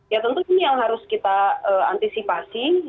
ya tentu ini yang harus kita antisipasi